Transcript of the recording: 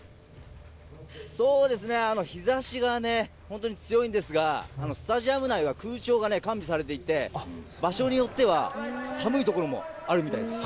日差しが本当に強いんですがスタジアム内は空調が完備されていて場所によっては寒いところもあるみたいです。